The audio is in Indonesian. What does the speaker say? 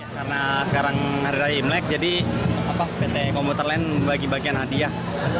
karena sekarang hari ini imlek jadi pt komuter lain membagi bagian hadiah